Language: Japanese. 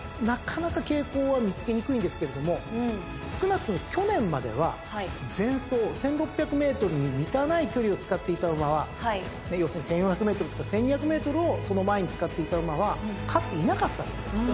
なかなか傾向は見つけにくいんですけれども少なくとも去年までは前走１，６００ｍに満たない距離を使っていた馬は要するに１，４００ｍとか１，２００ｍをその前に使っていた馬は勝っていなかったんですよ。